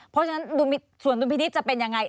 เพราะฉะนั้นส่วนดุลพินิษฐ์จะเป็นยังไง